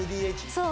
・そう。